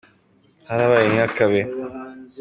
Harabaye ntihakabe.